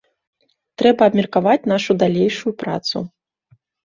Трэба абмеркаваць нашу далейшую працу.